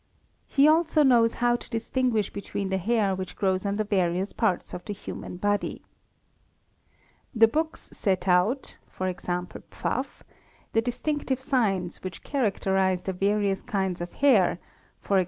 He also knows how to distinguish between the _ hair which grows on the various parts of the human body. The books set out (e.g., Pfaff") the distinctive signs which characterise the various kinds of hair, e.g.